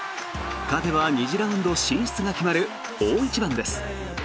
勝てば２次ラウンド進出が決まる大一番です。